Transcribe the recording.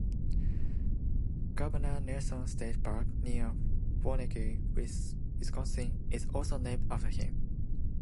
Governor Nelson State Park near Waunakee, Wisconsin, is also named after him.